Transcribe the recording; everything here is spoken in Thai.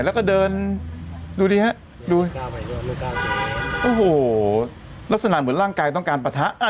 แล้วก็เดินดูดีฮะดูโอ้โหลักษณะเหมือนร่างกายต้องการปะทะ